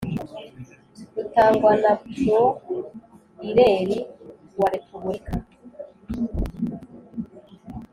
rutangwa na proiireri wa RepubuLika.